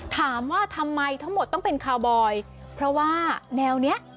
ถามว่าทำไมทั้งหมดต้องเป็นคาวบอยเพราะว่าแนวเนี้ย